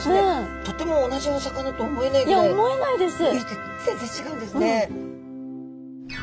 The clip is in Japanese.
とても同じお魚とは思えないぐらい部位で全然違うんですね。